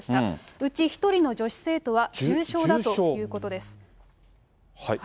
うち１人の女子生徒は重症だということです。